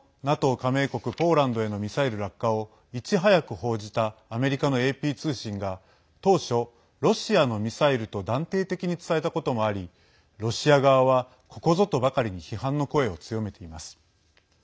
加盟国ポーランドへのミサイル落下をいち早く報じたアメリカのＡＰ通信が当初、ロシアのミサイルと断定的に伝えたこともありロシア側は、ここぞとばかりに批判の声を強めています。